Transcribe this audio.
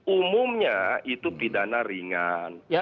umumnya itu pidana ringan